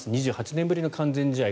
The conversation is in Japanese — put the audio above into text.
２８年ぶりの完全試合。